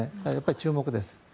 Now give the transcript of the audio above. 注目です。